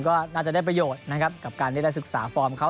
ก็น่าจะได้ประโยชน์นะครับกับการที่ได้ศึกษาฟอร์มเขา